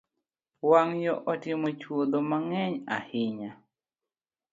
Wang’yo otimo chuodho mang’eny ahinya